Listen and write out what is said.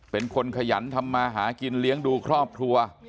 เป็นคนขยันทำมาหากินเลี้ยงดูครอบครัว